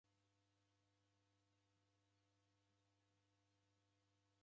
Naghamba w'elee, chonyi andenyi!